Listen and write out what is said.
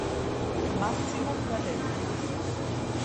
Massimo Pradella